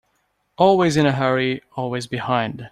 Always in a hurry, always behind.